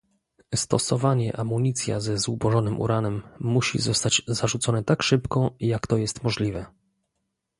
stosowanie amunicja ze zubożonym uranem musi zostać zarzucone tak szybko, jak to jest możliwe